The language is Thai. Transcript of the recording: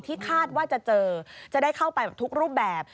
คาดว่าจะเจอจะได้เข้าไปแบบทุกรูปแบบ